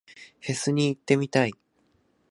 フェスに行ってみたい。